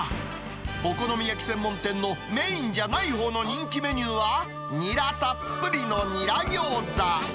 お好み焼き専門店のメインじゃないほうの人気メニューは、ニラたっぷりのニラ餃子。